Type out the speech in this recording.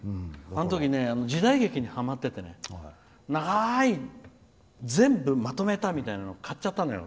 あのとき時代劇にはまってて長い、全部まとめたみたいなのを買っちゃったのよ。